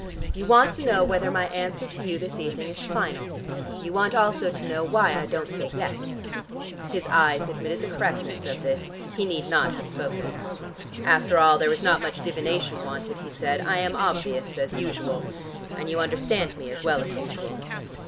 You want to know whether my answer to you this evening is final. You want also to know why I don't say 'yes.'" His eyes admitted the correctness of this: he need not have spoken. "After all, there was not much divination wanted," he said. "I am as obvious as usual. And you understand me as well as usual."